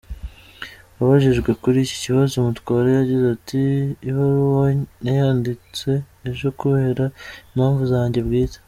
Abajijwe kuri iki kibazo Mutwara yagize ati“Ibaruwa nayanditse ejo kubera impamvu zanjye bwite.